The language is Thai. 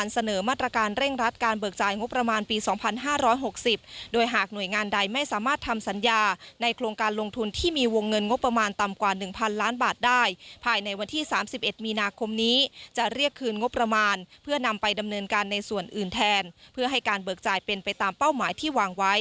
เสนอมาตรการเร่งรัดการเบิกจ่ายงบประมาณปี๒๕๖๐โดยหากหน่วยงานใดไม่สามารถทำสัญญาในโครงการลงทุนที่มีวงเงินงบประมาณต่ำกว่า๑๐๐ล้านบาทได้ภายในวันที่๓๑มีนาคมนี้จะเรียกคืนงบประมาณเพื่อนำไปดำเนินการในส่วนอื่นแทนเพื่อให้การเบิกจ่ายเป็นไปตามเป้าหมายที่วางไว้